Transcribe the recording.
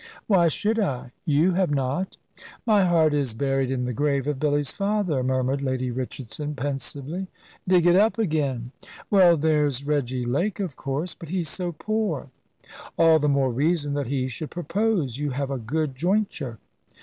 "Why should I? you have not." "My heart is buried in the grave of Billy's father," murmured Lady Richardson, pensively. "Dig it up again." "Well, there's Reggy Lake, of course; but he's so poor." "All the more reason that he should propose. You have a good jointure."